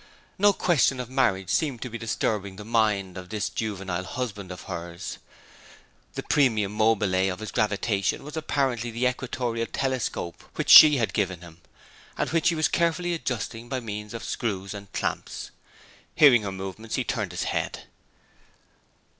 No question of marriage seemed to be disturbing the mind of this juvenile husband of hers. The primum mobile of his gravitation was apparently the equatorial telescope which she had given him, and which he was carefully adjusting by means of screws and clamps. Hearing her movements he turned his head.